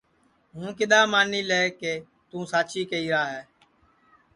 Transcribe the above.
ہوں کِدؔا مانی لے کہ توں ساچی کیہرا ہے